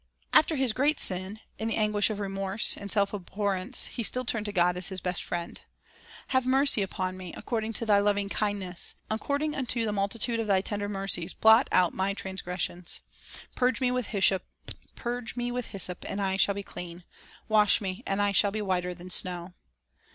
' After his great sin, in the anguish of remorse and self abhorrence he still turned to God as his best friend: "Have mercy upon me, according to Thy loving kindness; According unto the multitude of Thy tender mercies blot out my transgressions. ... Purge me with hyssop, and I shall be clean ; Wash me, and I shall be whiter than snow."